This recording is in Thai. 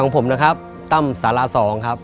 หนูรู้สึกดีมากเลยค่ะ